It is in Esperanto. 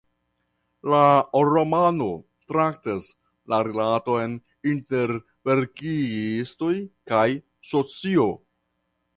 La romano traktas la rilaton inter verkistoj kaj socio.